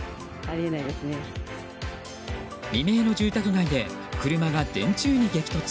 未明の住宅街で車が電柱に激突。